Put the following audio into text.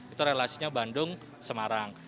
itu relasinya bandung semarang